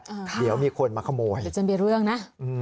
เดี๋ยวมีคนมาขโมยเดี๋ยวจะมีเรื่องนะอืม